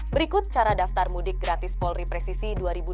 berikut cara daftar mudik gratis polri presisi dua ribu dua puluh